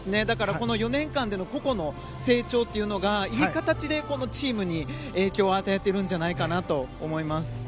だから、この４年間での個々の成長というのがいい形で影響を与えているんじゃないかなと思います。